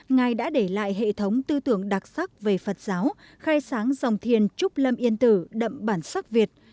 ngài đã để lại hệ thống tư tưởng đặc sắc về phật giáo khai sáng dòng thiền trúc lâm yên tử đậm bản sắc việt